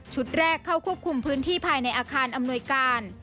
แรกเข้าควบคุมพื้นที่ภายในอาคารอำนวยการ